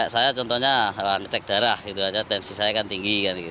saya contohnya ngecek darah tensi saya kan tinggi